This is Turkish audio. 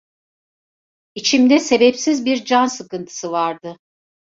İçimde sebepsiz bir can sıkıntısı vardı.